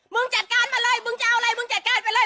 มึงจัดการมาเลยมึงจะเอาอะไรมึงจัดการไปเลย